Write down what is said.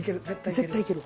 絶対行ける。